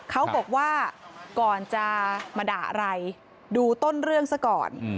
เขาบอกว่าก่อนจะมาด่าอะไรดูต้นเรื่องซะก่อน